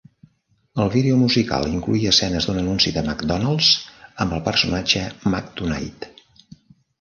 El vídeo musical incloïa escenes d'un anunci de McDonald's amb el personatge Mac Tonight.